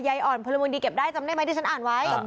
ใครใยอ่อนพลวงดีเก็บได้จำได้ไหมที่ฉันอ่านไว้